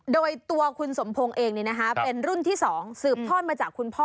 โดยตัวคุณสมพงศ์เองเป็นรุ่นที่๒สืบทอดมาจากคุณพ่อ